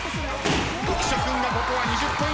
浮所君がここは２０ポイント。